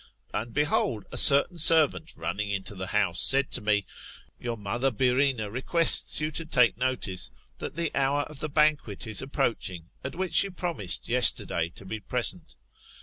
And behold a certain servant running into the house, said to me, Your mother Byrrhsena requests you to take notice, that the hour of the banquet is approaching, at which you promised yesterday to be present.